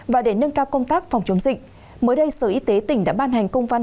và để nâng cao công tác phòng chống dịch mới đây sở y tế tỉnh đã ban hành công văn